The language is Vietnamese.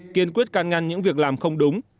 kiên quyết can ngăn những việc làm không đúng